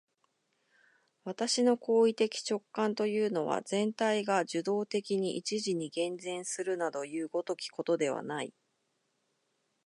私の行為的直観というのは、全体が受働的に一時に現前するなどいう如きことではない。